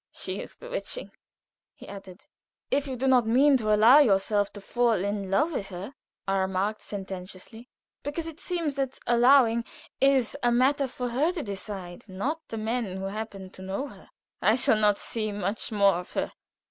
"She is bewitching," he added. "If you do not mean to allow yourself to fall in love with her," I remarked, sententiously, "because it seems that 'allowing' is a matter for her to decide, not the men who happen to know her." "I shall not see much more of her.